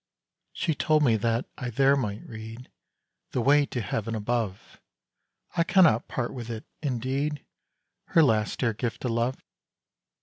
"She told me that I there might read The way to heaven above. I cannot part with it indeed! Her last dear gift of love."